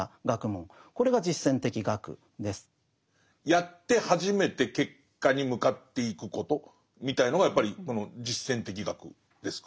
やって初めて結果に向かっていくことみたいのがやっぱりこの実践的学ですか？